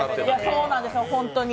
そうなんですよ、ホントに。